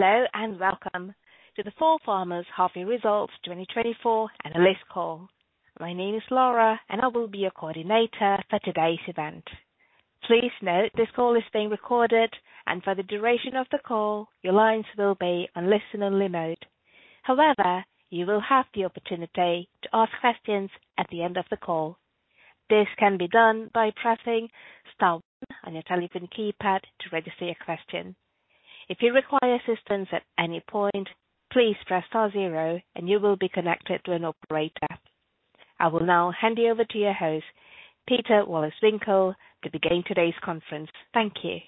Hello, and welcome to the ForFarmers Half Year Results 2024 analyst call. My name is Laura, and I will be your coordinator for today's event. Please note, this call is being recorded, and for the duration of the call, your lines will be on listen-only mode. However, you will have the opportunity to ask questions at the end of the call. This can be done by pressing star one on your telephone keypad to register your question. If you require assistance at any point, please press star zero and you will be connected to an operator. I will now hand you over to your host, Pieter Wolleswinkel, to begin today's conference. Thank you.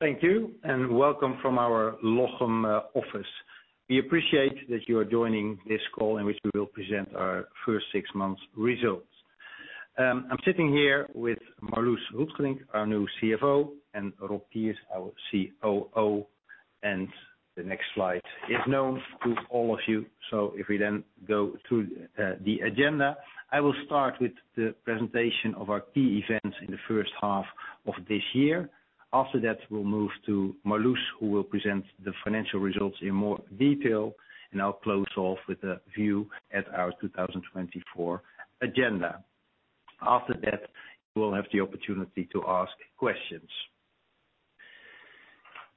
Thank you, and welcome from our Lochem office. We appreciate that you are joining this call in which we will present our first six months results. I'm sitting here with Marloes Roetgerink, our new CFO, and Rob Kiers, our COO, and the next slide is known to all of you. So if we then go to the agenda, I will start with the presentation of our key events in the first half of this year. After that, we'll move to Marloes, who will present the financial results in more detail, and I'll close off with a view at our 2024 agenda. After that, you will have the opportunity to ask questions.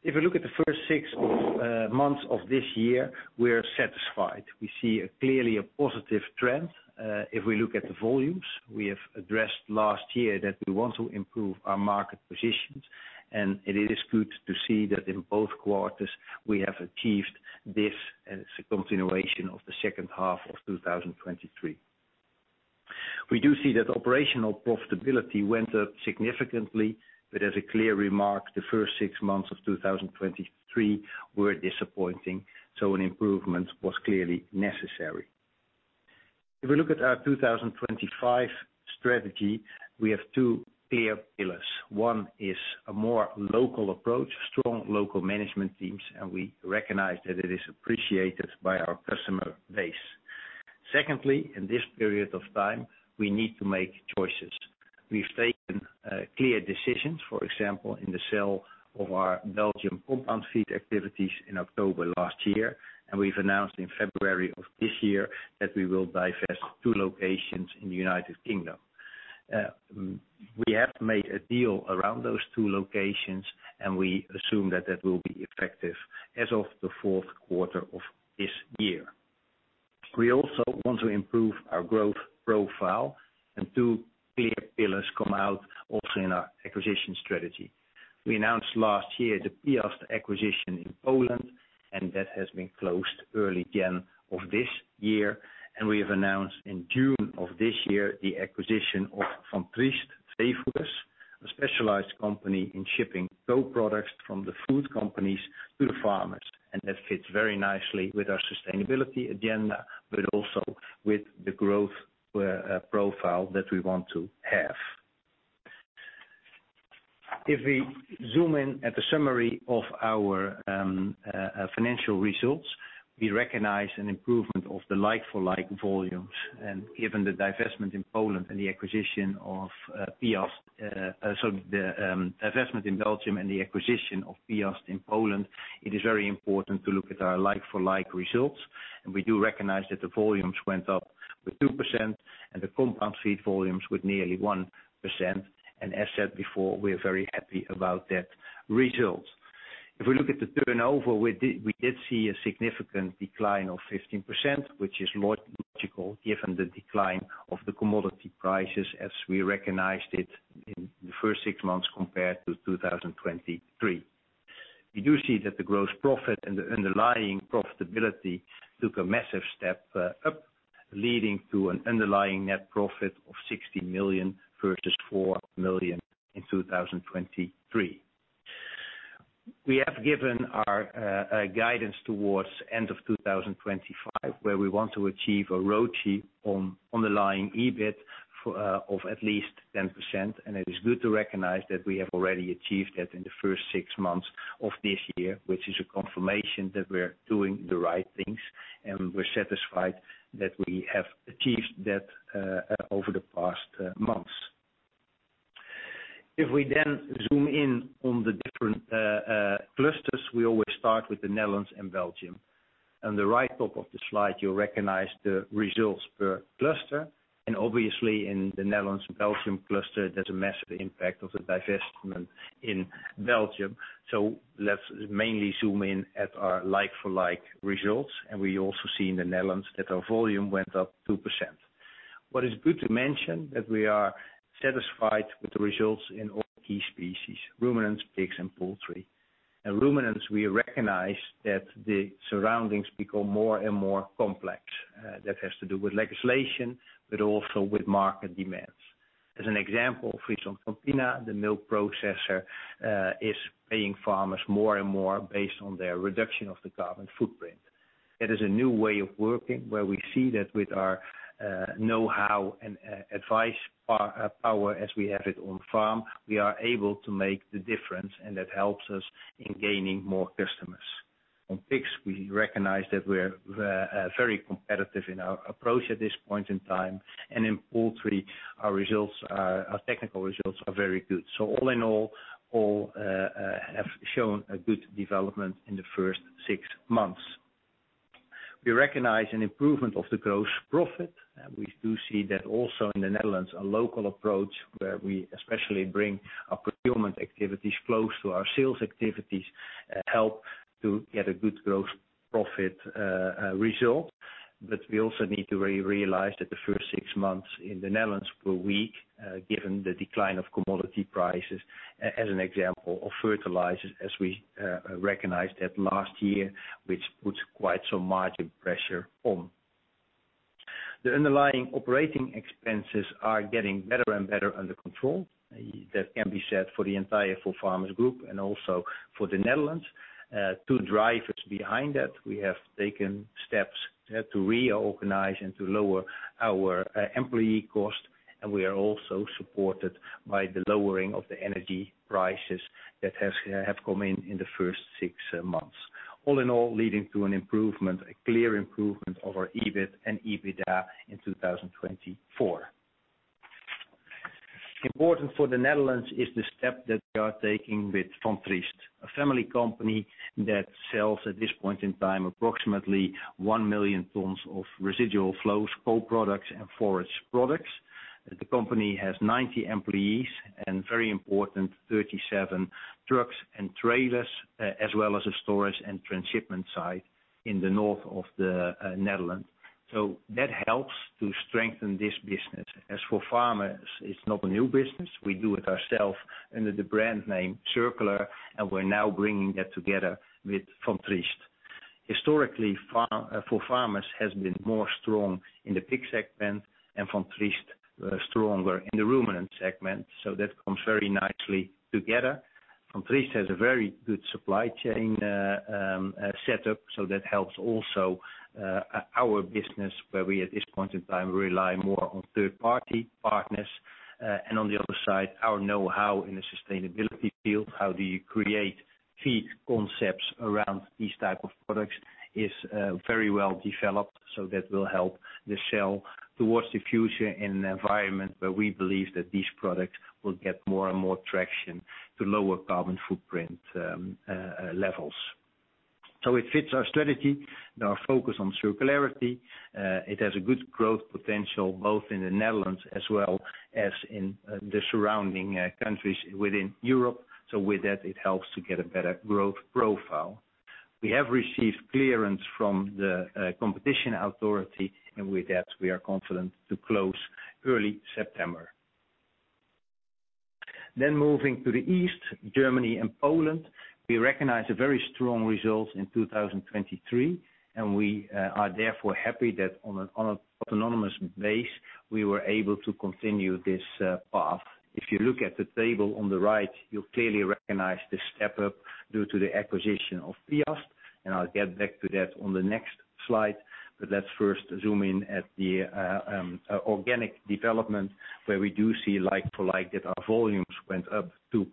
If we look at the first six months of this year, we are satisfied. We see clearly a positive trend. If we look at the volumes, we have addressed last year that we want to improve our market positions, and it is good to see that in both quarters we have achieved this as a continuation of the second half of 2023. We do see that operational profitability went up significantly, but as a clear remark, the first six months of 2023 were disappointing, so an improvement was clearly necessary. If we look at our 2025 strategy, we have two clear pillars. One is a more local approach, strong local management teams, and we recognize that it is appreciated by our customer base. Secondly, in this period of time, we need to make choices. We've taken clear decisions, for example, in the sale of our Belgian compound feed activities in October last year, and we've announced in February of this year that we will divest two locations in the United Kingdom. We have made a deal around those two locations, and we assume that that will be effective as of the fourth quarter of this year. We also want to improve our growth profile, and two clear pillars come out also in our acquisition strategy. We announced last year the Piast acquisition in Poland, and that has been closed early January of this year. We have announced in June of this year the acquisition of Van Triest Veevoeders, a specialized company in shipping co-products from the food companies to the farmers. And that fits very nicely with our sustainability agenda, but also with the growth profile that we want to have. If we zoom in at the summary of our financial results, we recognize an improvement of the like-for-like volumes, and given the divestment in Poland and the acquisition of Piast, so the divestment in Belgium and the acquisition of Piast in Poland, it is very important to look at our like-for-like results. And we do recognize that the volumes went up with 2% and the compound feed volumes with nearly 1%. And as said before, we are very happy about that result. If we look at the turnover, we did, we did see a significant decline of 15%, which is logical, given the decline of the commodity prices as we recognized it in the first six months compared to 2023. We do see that the gross profit and the underlying profitability took a massive step up, leading to an underlying net profit of 60 million versus 4 million in 2023. We have given our guidance towards end of 2025, where we want to achieve a ROACE on underlying EBIT of at least 10%. It is good to recognize that we have already achieved that in the first six months of this year, which is a confirmation that we're doing the right things, and we're satisfied that we have achieved that over the past months. If we then zoom in on the different clusters, we always start with the Netherlands and Belgium. On the right top of the slide, you'll recognize the results per cluster, and obviously in the Netherlands, Belgium cluster, there's a massive impact of the divestment in Belgium. So let's mainly zoom in at our like-for-like results. We also see in the Netherlands that our volume went up 2%. What is good to mention, that we are satisfied with the results in all key species, ruminants, pigs, and poultry. In ruminants, we recognize that the surroundings become more and more complex. That has to do with legislation, but also with market demands. As an example, FrieslandCampina, the milk processor, is paying farmers more and more based on their reduction of the carbon footprint. It is a new way of working, where we see that with our know-how and advice power, as we have it on farm, we are able to make the difference, and that helps us in gaining more customers. On pigs, we recognize that we're very competitive in our approach at this point in time, and in poultry, our results are, our technical results are very good. So all in all, all have shown a good development in the first six months. We recognize an improvement of the gross profit, and we do see that also in the Netherlands, a local approach where we especially bring our procurement activities close to our sales activities help to get a good gross profit result. But we also need to realize that the first six months in the Netherlands were weak, given the decline of commodity prices, as an example of fertilizers, as we recognized that last year, which puts quite some margin pressure on. The underlying operating expenses are getting better and better under control. That can be said for the entire ForFarmers group and also for the Netherlands. Two drivers behind that, we have taken steps to reorganize and to lower our employee cost, and we are also supported by the lowering of the energy prices that has have come in in the first six months. All in all, leading to an improvement, a clear improvement over EBIT and EBITDA in 2024. Important for the Netherlands is the step that we are taking with Van Triest, a family company that sells, at this point in time, approximately 1 million tons of residual flows, co-products, and forage products. The company has 90 employees, and very important, 37 trucks and trailers, as well as a storage and transshipment site in the north of the Netherlands. So that helps to strengthen this business. As ForFarmers, it's not a new business. We do it ourselves under the brand name CirQlar, and we're now bringing that together with Van Triest. Historically, ForFarmers has been more strong in the pig segment and Van Triest stronger in the ruminant segment, so that comes very nicely together. Van Triest has a very good supply chain setup, so that helps also our business, where we, at this point in time, rely more on third-party partners. And on the other side, our know-how in the sustainability field, how do you create feed concepts around these type of products, is very well developed, so that will help the sell towards the future in an environment where we believe that these products will get more and more traction to lower carbon footprint levels. So it fits our strategy and our focus on circularity. It has a good growth potential, both in the Netherlands as well as in the surrounding countries within Europe. So with that, it helps to get a better growth profile. We have received clearance from the competition authority, and with that, we are confident to close early September. Then moving to the east, Germany and Poland, we recognize a very strong result in 2023, and we are therefore happy that on an autonomous basis, we were able to continue this path. If you look at the table on the right, you'll clearly recognize the step up due to the acquisition of Piast, and I'll get back to that on the next slide. But let's first zoom in at the organic development, where we do see like for like, that our volumes went up 2%.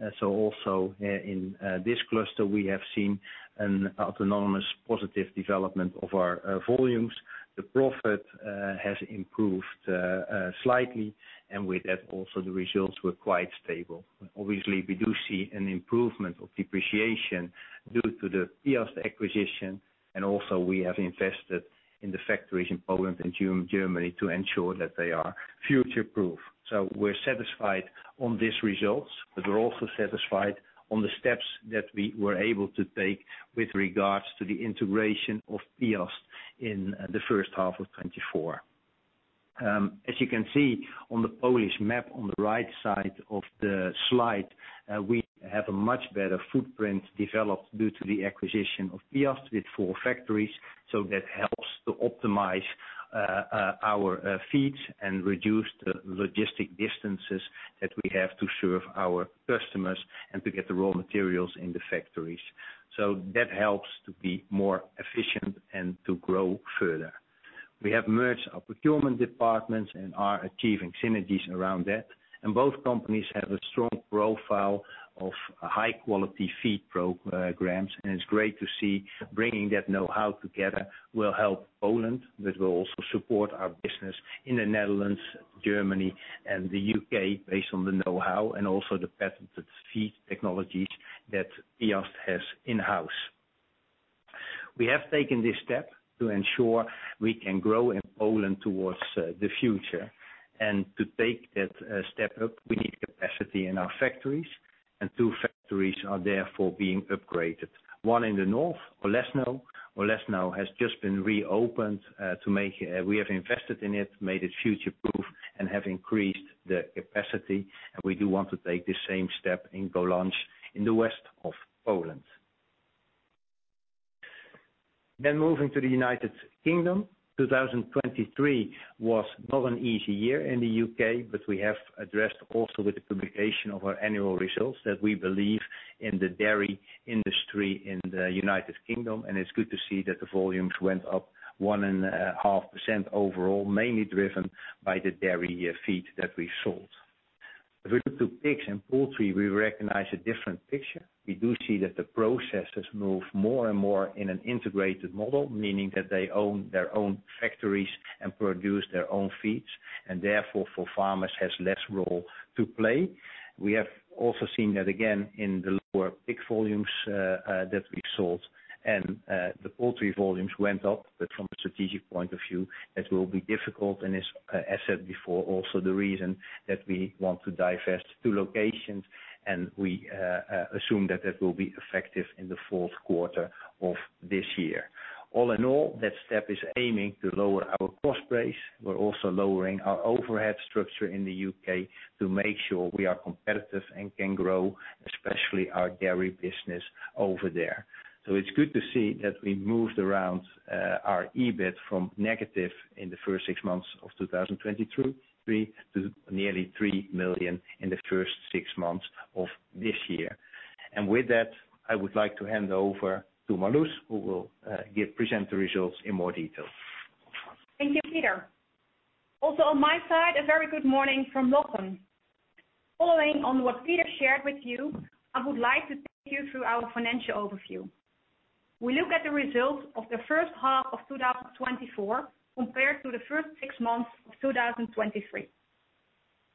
And so also in this cluster, we have seen an autonomous positive development of our volumes. The profit has improved slightly, and with that, also the results were quite stable. Obviously, we do see an improvement of depreciation due to the Piast acquisition, and also we have invested in the factories in Poland and Germany to ensure that they are future-proof. So we're satisfied on these results, but we're also satisfied on the steps that we were able to take with regards to the integration of Piast in the first half of 2024. As you can see on the Polish map on the right side of the slide, we have a much better footprint developed due to the acquisition of Piast with 4 factories, so that helps to optimize our feeds and reduce the logistic distances that we have to serve our customers and to get the raw materials in the factories. So that helps to be more efficient and to grow further. We have merged our procurement departments and are achieving synergies around that, and both companies have a strong profile of high-quality feed programs, and it's great to see bringing that know-how together will help Poland, but will also support our business in the Netherlands, Germany, and the UK, based on the know-how and also the patented feed technologies that Piast has in-house. We have taken this step to ensure we can grow in Poland towards the future, and to take that step up, we need capacity in our factories, and two factories are therefore being upgraded. One in the north, Olesno. Olesno has just been reopened to make. We have invested in it, made it future-proof, and have increased the capacity, and we do want to take the same step in Golancz in the west of Poland. Then moving to the United Kingdom. 2023 was not an easy year in the UK, but we have addressed also with the publication of our annual results, that we believe in the dairy industry in the United Kingdom, and it's good to see that the volumes went up 1.5% overall, mainly driven by the dairy feed that we sold. If we look to pigs and poultry, we recognize a different picture. We do see that the processors move more and more in an integrated model, meaning that they own their own factories and produce their own feeds, and therefore, ForFarmers has less role to play. We have also seen that again in the lower pig volumes that we sold, and the poultry volumes went up, but from a strategic point of view, it will be difficult, and as said before, also the reason that we want to divest two locations, and we assume that that will be effective in the fourth quarter of this year. All in all, that step is aiming to lower our cost base. We're also lowering our overhead structure in the UK to make sure we are competitive and can grow, especially our dairy business over there. So it's good to see that we moved around our EBIT from negative in the first six months of 2023 to nearly 3 million in the first six months of this year. And with that, I would like to hand over to Marloes, who will present the results in more detail. Thank you, Peter. Also, on my side, a very good morning from Lochem. Following on what Peter shared with you, I would like to take you through our financial overview. We look at the results of the first half of 2024, compared to the first six months of 2023.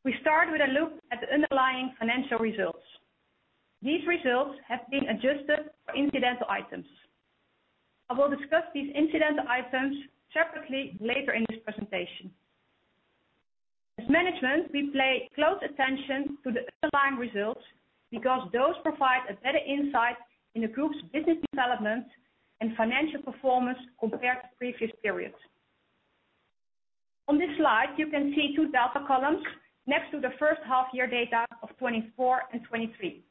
We start with a look at the underlying financial results. These results have been adjusted for incidental items. I will discuss these incidental items separately later in this presentation. As management, we pay close attention to the underlying results because those provide a better insight in the group's business development and financial performance compared to previous periods. On this slide, you can see two delta columns next to the first half year data of 2024 and 2023.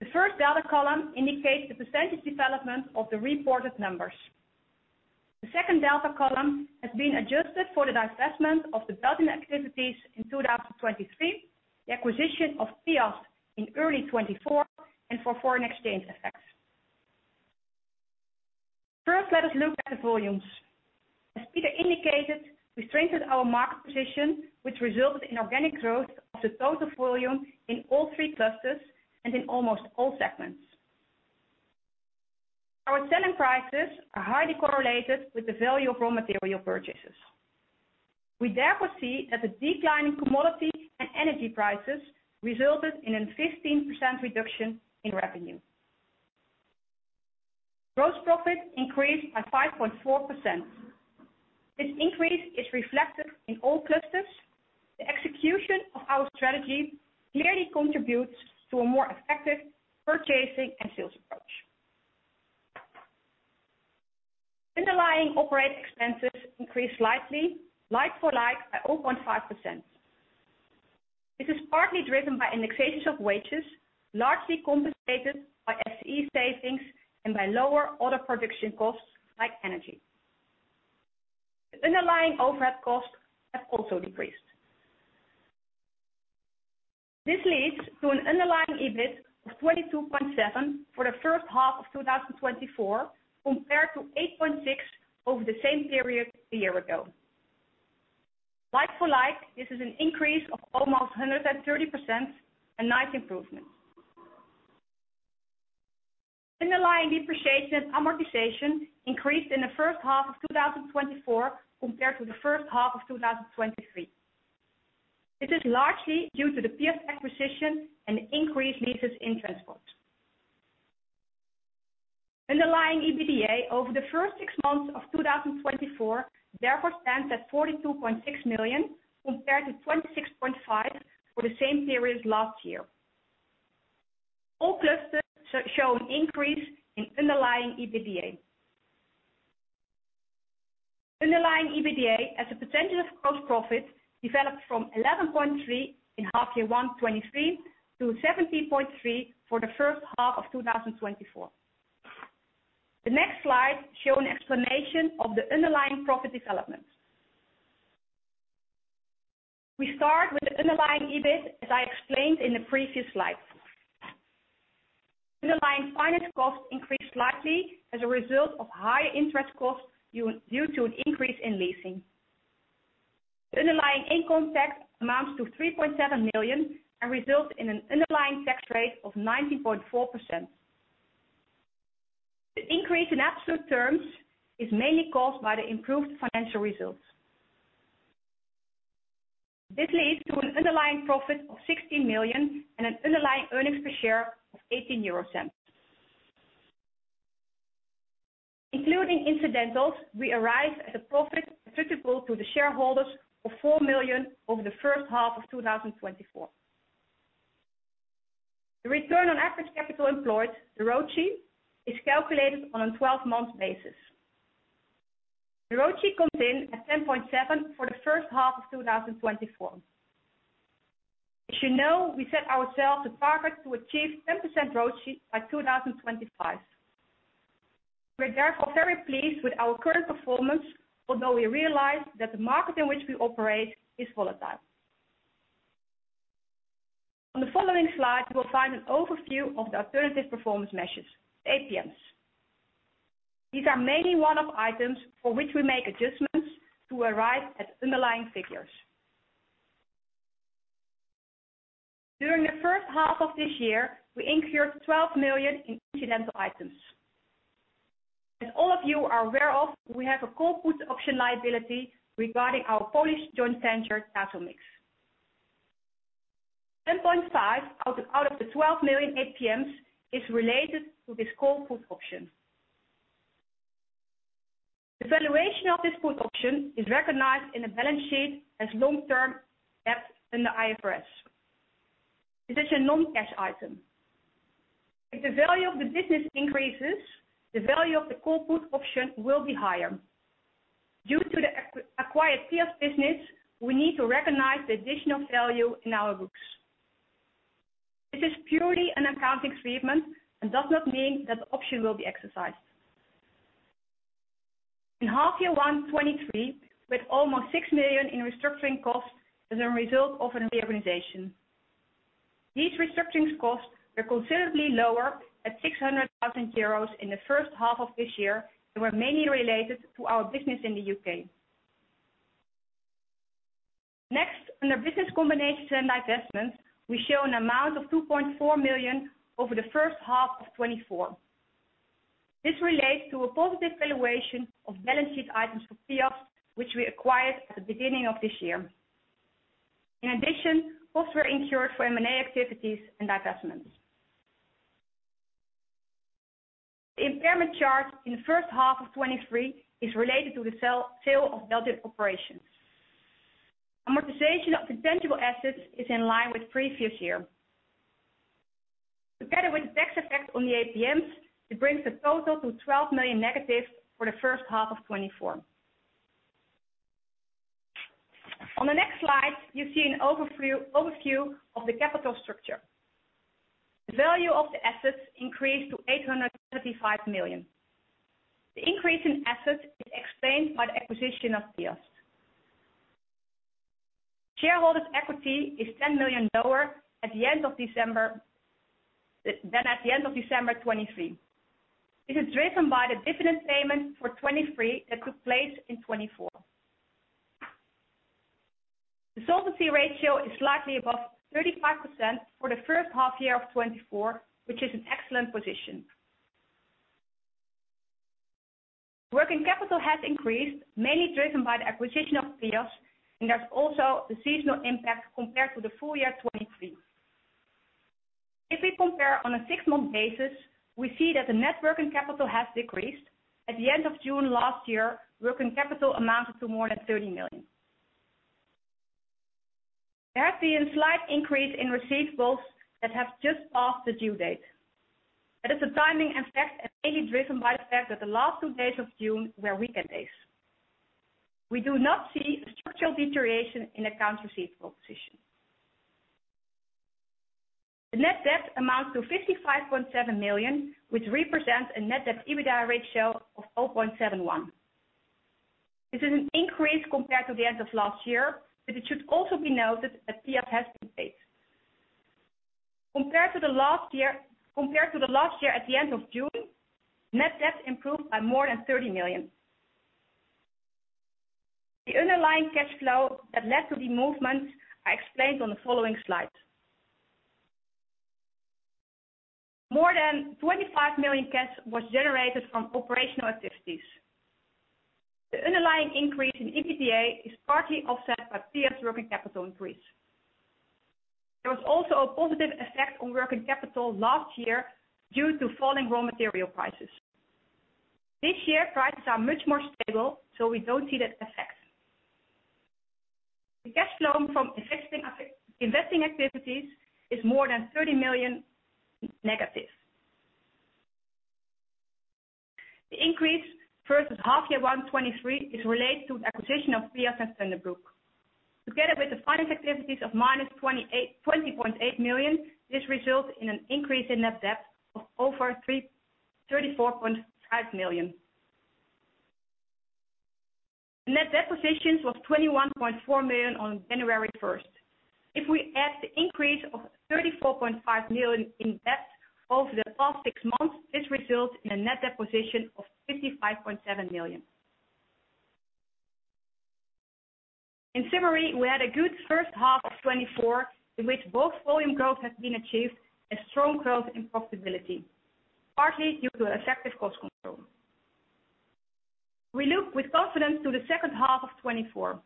The first delta column indicates the percentage development of the reported numbers. The second delta column has been adjusted for the divestment of the Belgian activities in 2023, the acquisition of Piast in early 2024, and for foreign exchange effects. First, let us look at the volumes. As Peter indicated, we strengthened our market position, which resulted in organic growth of the total volume in all three clusters and in almost all segments. Our selling prices are highly correlated with the value of raw material purchases. We therefore see that the decline in commodity and energy prices resulted in a 15% reduction in revenue. Gross profit increased by 5.4%. This increase is reflected in all clusters. The execution of our strategy clearly contributes to a more effective purchasing and sales approach. Underlying operating expenses increased slightly, like-for-like by 0.5%. This is partly driven by indexations of wages, largely compensated by SE savings and by lower other production costs, like energy. The underlying overhead costs have also decreased. This leads to an underlying EBIT of 22.7 million for the first half of 2024, compared to 8.6 million over the same period a year ago. Like-for-like, this is an increase of almost 130%, a nice improvement. Underlying depreciation and amortization increased in the first half of 2024 compared to the first half of 2023. This is largely due to the Piast acquisition and increased leases in transport. Underlying EBITDA over the first six months of 2024, therefore, stands at 42.6 million, compared to 26.5 million for the same period last year. All clusters show an increase in underlying EBITDA. Underlying EBITDA, as a percentage of gross profit, developed from 11.3 in half year 1 2023, to 17.3 for the first half of 2024. The next slide show an explanation of the underlying profit development. We start with the underlying EBIT, as I explained in the previous slide. Underlying finance costs increased slightly as a result of higher interest costs due to an increase in leasing. The underlying income tax amounts to 3.7 million and results in an underlying tax rate of 19.4%. The increase in absolute terms is mainly caused by the improved financial results. This leads to an underlying profit of 16 million and an underlying earnings per share of €0.18. Including incidentals, we arrive at a profit attributable to the shareholders of 4 million over the first half of 2024. The return on average capital employed, the ROACE, is calculated on a 12-month basis. The ROACE comes in at 10.7 for the first half of 2024. As you know, we set ourselves a target to achieve 10% ROACE by 2025. We're therefore very pleased with our current performance, although we realize that the market in which we operate is volatile. On the following slide, you will find an overview of the alternative performance measures, APMs. These are mainly one off items for which we make adjustments to arrive at underlying figures. During the first half of this year, we incurred 12 million in incidental items. As all of you are aware of, we have a call put option liability regarding our Polish joint venture, Tasomix. 10.5 out of the 12 million APMs is related to this call put option. The valuation of this put option is recognized in the balance sheet as long-term debt under IFRS. This is a non-cash item. If the value of the business increases, the value of the call/put option will be higher. Due to the acquired Piast's business, we need to recognize the additional value in our books. This is purely an accounting treatment and does not mean that the option will be exercised. In the first half of 2023, with almost 6 million in restructuring costs as a result of a reorganization. These restructuring costs are considerably lower at 600,000 euros in the first half of this year, and were mainly related to our business in the UK. Next, under business combinations and divestments, we show an amount of 2.4 million over the first half of 2024. This relates to a positive valuation of balance sheet items for Piast, which we acquired at the beginning of this year. In addition, costs were incurred for M&A activities and divestments. The impairment charge in the first half of 2023 is related to the sale of Belgian operations. Amortization of intangible assets is in line with previous year. Together with the tax effect on the APMs, it brings the total to -12 million for the first half of 2024. On the next slide, you see an overview of the capital structure. The value of the assets increased to 835 million. The increase in assets is explained by the acquisition of Piast. Shareholders' equity is 10 million lower at the end of December than at the end of December 2023. This is driven by the dividend payment for 2023 that took place in 2024. The solvency ratio is slightly above 35% for the first half year of 2024, which is an excellent position. Working capital has increased, mainly driven by the acquisition of Piast, and there's also the seasonal impact compared to the full year 2023. If we compare on a six-month basis, we see that the net working capital has decreased. At the end of June last year, working capital amounted to more than 30 million. There has been a slight increase in receivables that have just passed the due date. That is a timing effect and mainly driven by the fact that the last two days of June were weekend days. We do not see a structural deterioration in accounts receivable position. The net debt amounts to 55.7 million, which represents a net debt EBITDA ratio of 0.71. This is an increase compared to the end of last year, but it should also be noted that Piast's has been paid. Compared to the last year, compared to the last year at the end of June, net debt improved by more than 30 million. The underlying cash flow that led to the movements are explained on the following slide. More than 25 million cash was generated from operational activities. The underlying increase in EBITDA is partly offset by Piast's working capital increase. There was also a positive effect on working capital last year due to falling raw material prices. This year, prices are much more stable, so we don't see that effect. The cash flow from investing activities is more than 30 million negative. The increase versus half year 1 2023 is related to the acquisition of Piast's and Thunderbrook. Together with the finance activities of -28.8 million, this results in an increase in net debt of 34.5 million. Net debt position was 21.4 million on January first. If we add the increase of 34.5 million in debt over the past six months, this results in a net debt position of 55.7 million. In summary, we had a good first half of 2024, in which both volume growth has been achieved and strong growth in profitability, partly due to effective cost control. We look with confidence to the second half of 2024.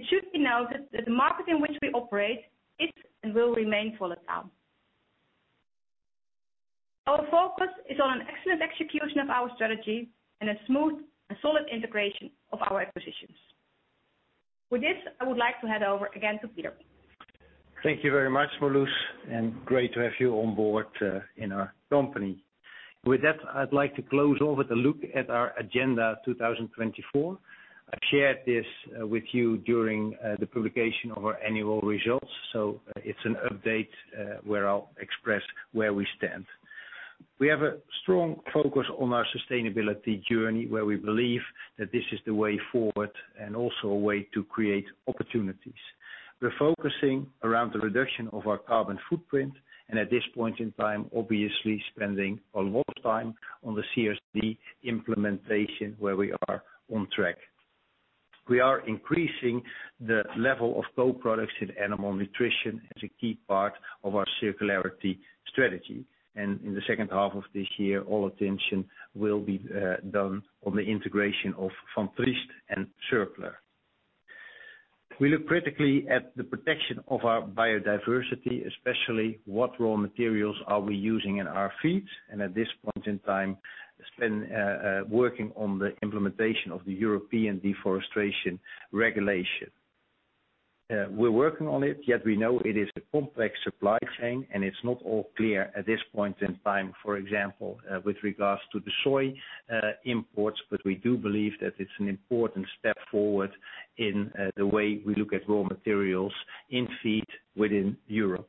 It should be noted that the market in which we operate is and will remain volatile. Our focus is on an excellent execution of our strategy and a smooth and solid integration of our acquisitions. With this, I would like to hand over again to Peter. Thank you very much, Marloes, and great to have you on board in our company. With that, I'd like to close off with a look at our agenda 2024. I shared this with you during the publication of our annual results. It's an update where I'll express where we stand. We have a strong focus on our sustainability journey, where we believe that this is the way forward and also a way to create opportunities. We're focusing around the reduction of our carbon footprint, and at this point in time, obviously spending a lot of time on the CSD implementation, where we are on track. We are increasing the level of co-products in animal nutrition as a key part of our circularity strategy. In the second half of this year, all attention will be done on the integration of Van Triest and CirQlar. We look critically at the protection of our biodiversity, especially what raw materials are we using in our feeds, and at this point in time, spend working on the implementation of the European Deforestation Regulation. We're working on it, yet we know it is a complex supply chain, and it's not all clear at this point in time, for example, with regards to the soy imports. But we do believe that it's an important step forward in the way we look at raw materials in feed within Europe.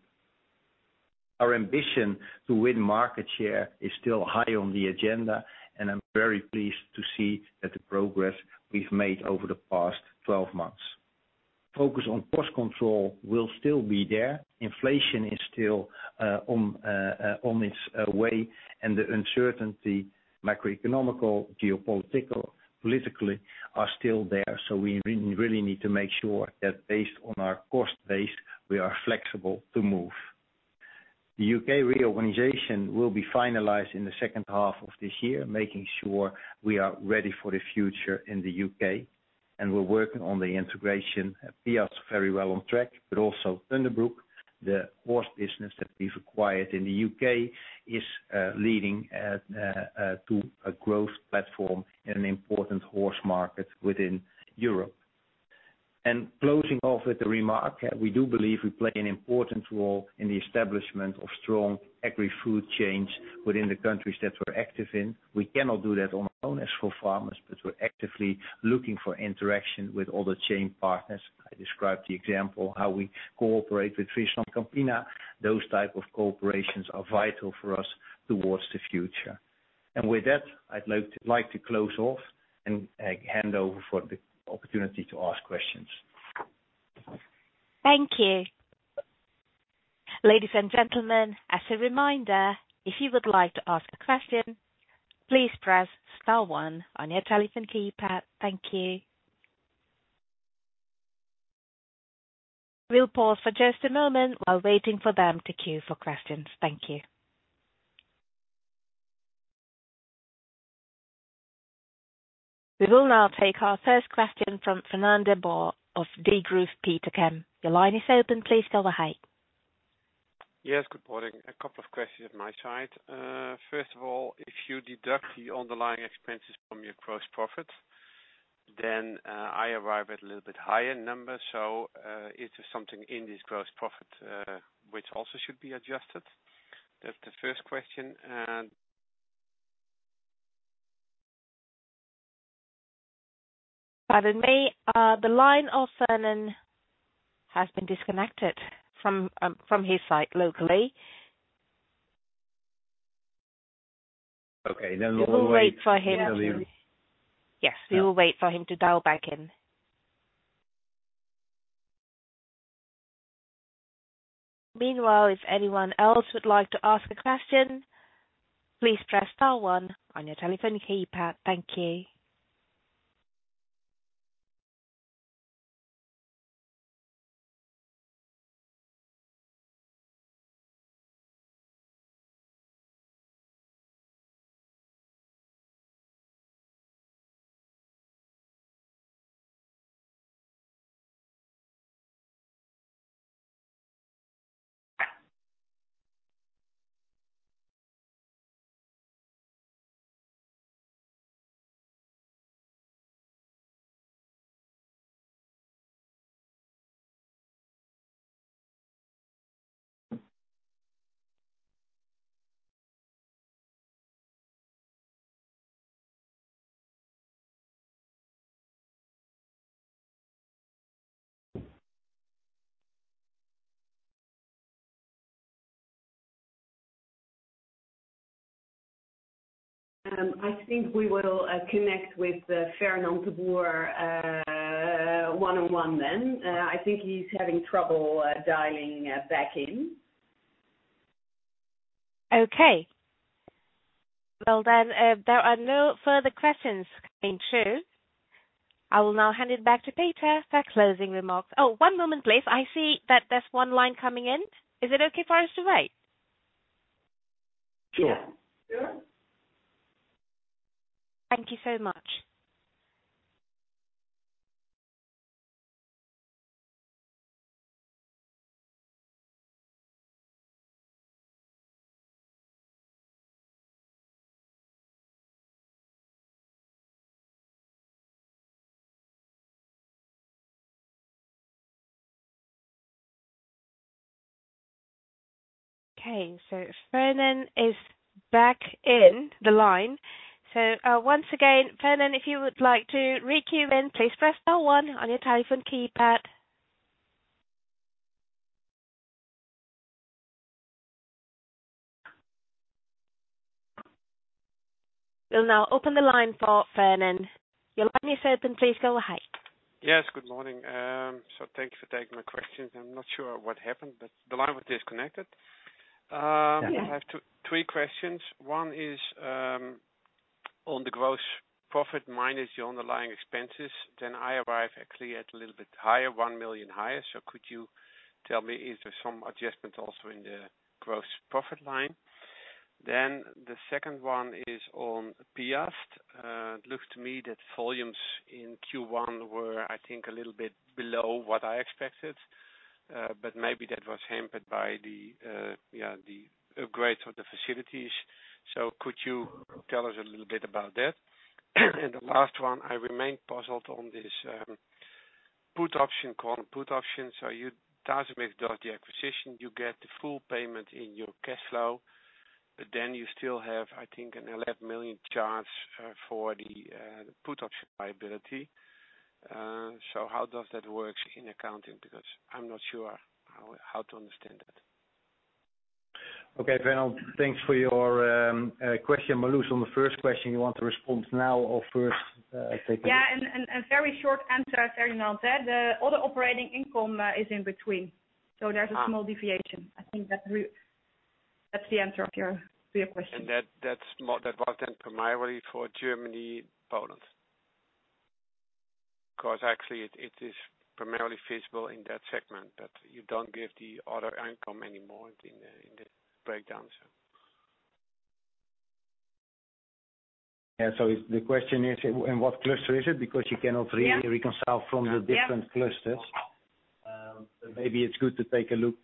Our ambition to win market share is still high on the agenda, and I'm very pleased to see that the progress we've made over the past 12 months. Focus on cost control will still be there. Inflation is still on its way, and the uncertainty, microeconomic, geopolitical, politically, are still there. So we really need to make sure that based on our cost base, we are flexible to move. The UK reorganization will be finalized in the second half of this year, making sure we are ready for the future in the UK. And we're working on the integration at Piast, very well on track, but also Thunderbrook. The horse business that we've acquired in the UK is leading to a growth platform in an important horse market within Europe. And closing off with the remark, we do believe we play an important role in the establishment of strong agri-food chains within the countries that we're active in. We cannot do that on our own as ForFarmers, but we're actively looking for interaction with all the chain partners. I described the example, how we cooperate with FrieslandCampina. Those type of cooperations are vital for us towards the future. And with that, I'd like to close off and hand over for the opportunity to ask questions. Thank you. Ladies and gentlemen, as a reminder, if you would like to ask a question, please press star one on your telephone keypad. Thank you. We'll pause for just a moment while waiting for them to queue for questions. Thank you. We will now take our first question from Fernand de Boer of Degroof Petercam. The line is open, please go ahead. Yes, good morning. A couple of questions on my side. First of all, if you deduct the underlying expenses from your gross profit, then, I arrive at a little bit higher number. So, is there something in this gross profit, which also should be adjusted? That's the first question, and- Pardon me, the line of Fernand has been disconnected from, from his side locally. Okay, then we will wait- We will wait for him. Yes, we will wait for him to dial back in. Meanwhile, if anyone else would like to ask a question, please press star one on your telephone keypad. Thank you. I think we will connect with Fernand de Boer one-on-one then. I think he's having trouble dialing back in. Okay. Well, then, there are no further questions coming through. I will now hand it back to Peter for closing remarks. Oh, one moment, please. I see that there's one line coming in. Is it okay for us to wait? Yeah. Sure. Thank you so much. Okay, so Fernand is back in the line. So, once again, Fernand, if you would like to re-queue in, please press star one on your telephone keypad. We'll now open the line for Fernand. Your line is open. Please go ahead. Yes, good morning. So thank you for taking my questions. I'm not sure what happened, but the line was disconnected. I have two... Three questions. One is on the gross profit minus your underlying expenses. Then I arrive actually at a little bit higher, 1 million higher. So could you tell me, is there some adjustment also in the gross profit line? Then the second one is on Piast. It looks to me that volumes in Q1 were, I think, a little bit below what I expected, but maybe that was hampered by the yeah, the upgrades of the facilities. So could you tell us a little bit about that? And the last one, I remain puzzled on this put option, call and put option. So you'd rather make the acquisition, you get the full payment in your cash flow, but then you still have, I think, an 11 million charge for the put option liability. So how does that work in accounting? Because I'm not sure how to understand it. Okay, Fernand, thanks for your question. Marloes, on the first question, you want to respond now or first, take a- Yeah, very short answer, Fernand. The other operating income is in between. So there's a small deviation. I think that's the answer to your question. And that, that's more, that was then primarily for Germany, Poland. Because actually it, it is primarily feasible in that segment, that you don't give the other income anymore in the, in the breakdown, so. Yeah, so if the question is, in what cluster is it? Because you cannot really- Yeah... reconcile from the different clusters. Yeah. Maybe it's good to take a look,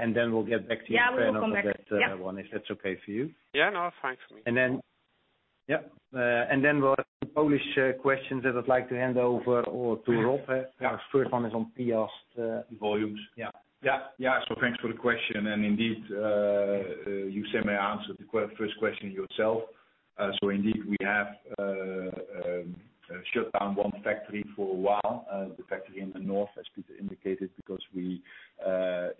and then we'll get back to you, Fernand. Yeah, we will come back.... with that, one, if that's okay for you. Yeah, no, fine for me. Then we'll have the Polish questions that I'd like to hand over to Rob. Our first one is on Piast volumes. Yeah. Yeah, yeah, so thanks for the question. And indeed, you semi answered the first question yourself. So indeed, we have shut down one factory for a while, the factory in the north, as Peter indicated, because we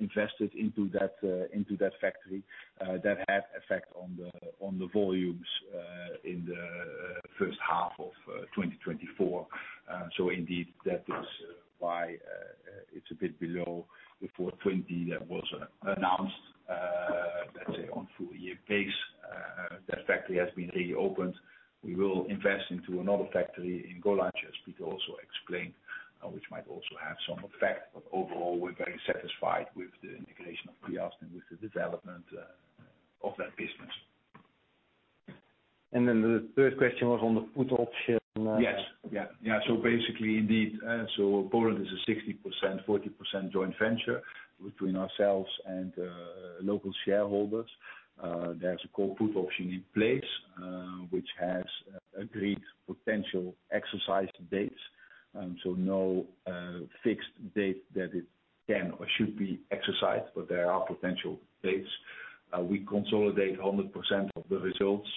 invested into that, into that factory. That had effect on the, on the volumes, in the first half of 2024. So indeed, that is why it's a bit below the 420 that was announced, let's say, on full year pace. That factory has been reopened. We will invest into another factory in Golancz, Peter also explained, which might also have some effect. But overall, we're very satisfied with the integration of Piast and with the development of that business. And then the third question was on the put option? Yes. Yeah, yeah. So basically, indeed, so Poland is a 60/40 joint venture between ourselves and local shareholders. There's a call/put option in place, which has agreed potential exercise dates, so no fixed date that it can or should be exercised, but there are potential dates. We consolidate 100% of the results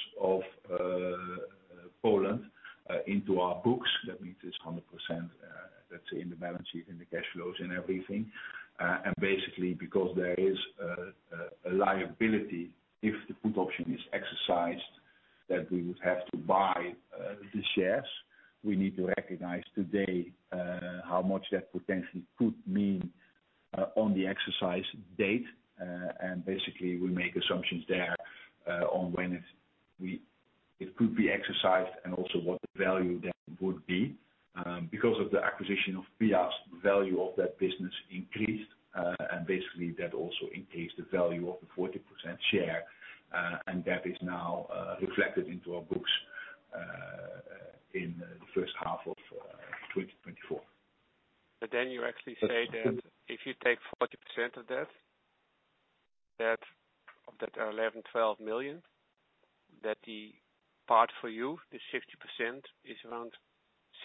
of Poland into our books. That means it's 100%, let's say, in the balance sheet, in the cash flows and everything. And basically, because there is a liability, if the put option is exercised, that we would have to buy the shares, we need to recognize today how much that potentially could mean on the exercise date. And basically, we make assumptions there on when it's... It could be exercised and also what the value then would be. Because of the acquisition of Piast, the value of that business increased, and basically that also increased the value of the 40% share, and that is now reflected into our books, in the first half of 2024. But then you actually say that if you take 40% of that, of that 11-12 million, that the part for you, the 60%, is around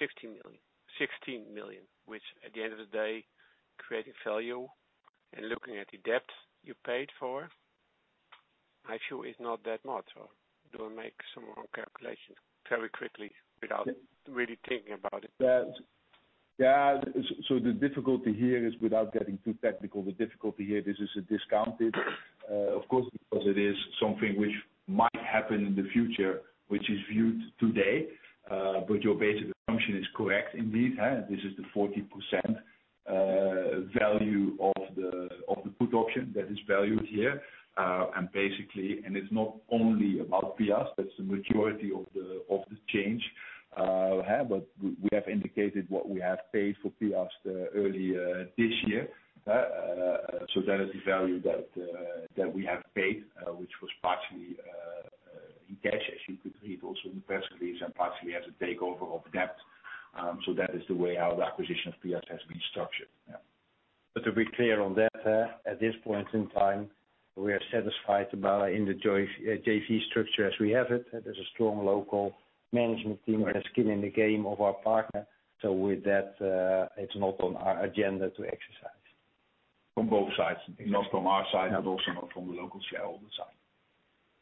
16 million, 16 million, which at the end of the day, creating value and looking at the debt you paid for, actually is not that much. Or do I make some wrong calculation very quickly without really thinking about it? Yeah, so the difficulty here is, without getting too technical, the difficulty here, this is a discounted, of course, because it is something which might happen in the future, which is viewed today, but your basic assumption is correct. Indeed, this is the 40% value of the, of the put option that is valued here. And basically... And it's not only about Piast, that's the majority of the, of the change, yeah, but we have indicated what we have paid for Piast early, this year... So that is the value that, that we have paid, which was partially, in cash, as you could read also in the press release, and partially as a takeover of debt. So that is the way our acquisition of Piast has been structured. Yeah. But to be clear on that, at this point in time, we are satisfied about in the joint JV structure as we have it. There's a strong local management team and a skin in the game of our partner. So with that, it's not on our agenda to exercise. From both sides. Not from our side, but also not from the local shareholder side....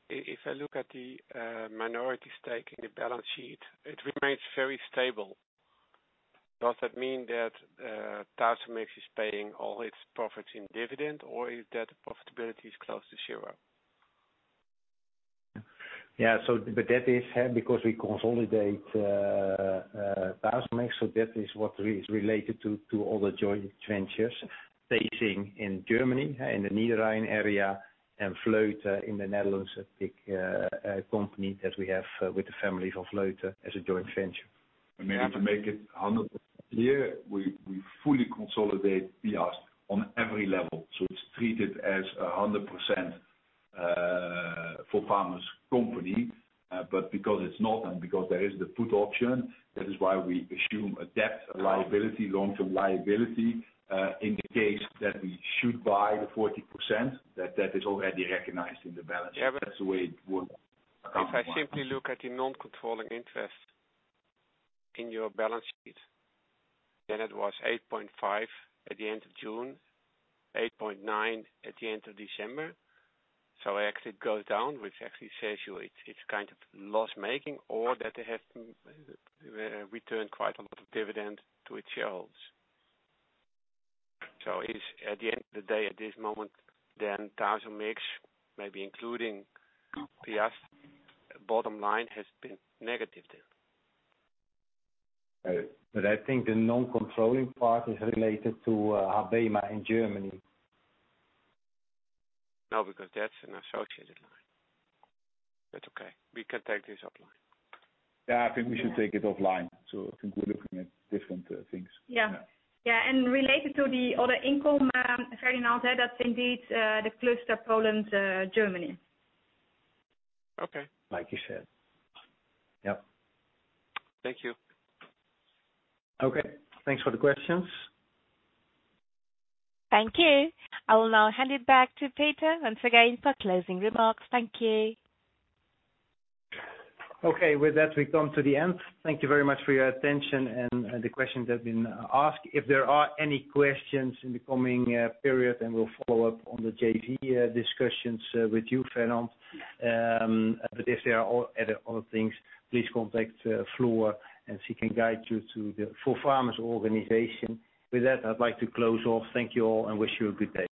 If I look at the minority stake in the balance sheet, it remains very stable. Does that mean that Tasomix is paying all its profits in dividend, or is that profitability is close to zero? Yeah, so but that is, because we consolidate Tasomix, so that is what is related to all the joint ventures facing in Germany, in the Niederrhein area and Vleuten in the Netherlands, a big company that we have with the family of Vleuten as a joint venture. Maybe to make it 100% clear, we fully consolidate Piast's on every level, so it's treated as a 100%, ForFarmers company. But because it's not, and because there is the put option, that is why we assume a debt liability, long-term liability, in the case that we should buy the 40%, that is already recognized in the balance sheet. Yeah, but- That's the way it would- If I simply look at the non-controlling interest in your balance sheet, then it was 8.5 at the end of June, 8.9 at the end of December. So it actually goes down, which actually says you it's, it's kind of loss-making or that they have returned quite a lot of dividend to its shareholders. So is at the end of the day, at this moment, then Tasomix, maybe including Piast's bottom line, has been negative then? I think the non-controlling part is related to HaBeMa in Germany. No, because that's an associated line. That's okay. We can take this offline. Yeah, I think we should take it offline. So I think we're looking at different things. Yeah. Yeah, and related to the other income, Fernand said, that's indeed the cluster Poland, Germany. Okay. Like you said. Yep. Thank you. Okay. Thanks for the questions. Thank you. I will now hand it back to Peter once again for closing remarks. Thank you. Okay, with that, we've come to the end. Thank you very much for your attention and the questions that have been asked. If there are any questions in the coming period, then we'll follow up on the JV discussions with you, Fernand. But if there are other things, please contact Floor, and she can guide you to the ForFarmers organization. With that, I'd like to close off. Thank you all, and wish you a good day.